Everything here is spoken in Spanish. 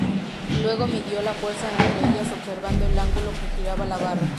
Luego midió la fuerza entre ellas observando el ángulo que giraba la barra.